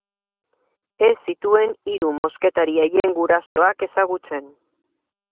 Ez zituen hiru mosketari haien gurasoak ezagutzen.